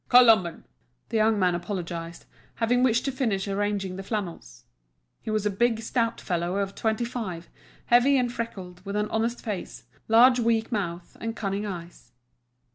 "Colomban!" The young man apologised, having wished to finish arranging the flannels. He was a big, stout fellow of twenty five, heavy and freckled, with an honest face, large weak mouth, and cunning eyes.